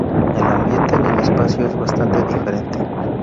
El ambiente en el espacio es bastante diferente.